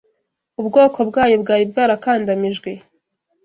ubwoko bwayo bwari bwarakandamijwe,